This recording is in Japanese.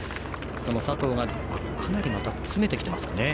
佐藤がかなりまた詰めてきてますかね。